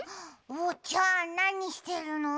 おうちゃんなにしてるの？